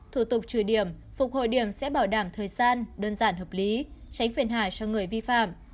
thủ tục trừ điểm phục hồi điểm sẽ bảo đảm thời gian đơn giản hợp lý tránh phiền hải cho người vi phạm